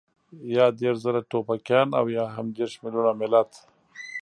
يا دېرش زره ټوپکيان او يا هم دېرش مېليونه ملت.